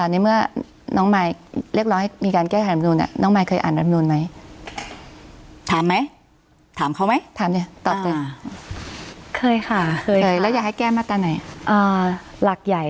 ในเมื่อน้องมายเรียกร้องให้มีการแก้ไขรัฐมนูล